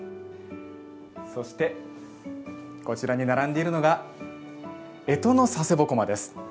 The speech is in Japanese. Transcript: そして、こちらに並んでいるのが干支の佐世保独楽です。